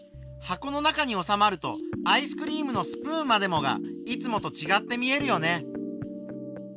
箱の中におさまるとアイスクリームのスプーンまでもがいつもとちがって見えるよね。